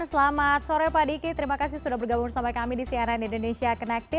selamat sore pak diki terima kasih sudah bergabung bersama kami di cnn indonesia connected